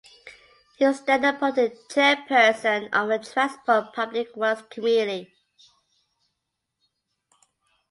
He was then appointed chairperson of the transport and public works committee.